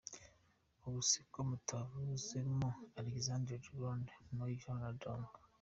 Ubu se ko mutavuzemo Alexandre le Grand, Mao Ze Dong.